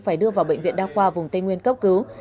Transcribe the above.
phải đưa vào bệnh viện đa khoa vùng tây nguyên cấp cứu